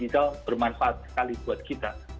itu bermanfaat sekali buat kita